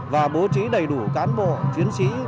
và bố trí đầy đủ cán bộ chiến sĩ